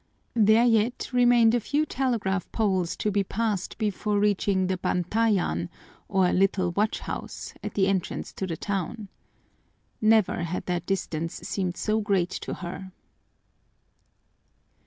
There yet remained a few telegraph poles to be passed before reaching the bantayan, or little watch house, at the entrance to the town. Never had that distance seemed so great to her.